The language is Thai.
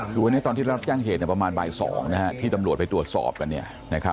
คือวันนี้ตอนที่รับแจ้งเหตุประมาณบ่าย๒ที่ตำรวจไปตรวจสอบกัน